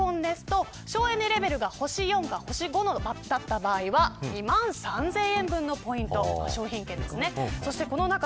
例えばエアコンですと省エネレベルが星４か星５の場合は２万３０００円分のポイント、商品券です。